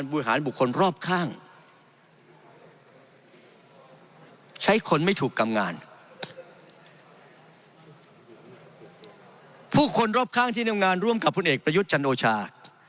คนรอบข้างที่ทำงานร่วมกับพลเอกประยุทธ์จันโอชา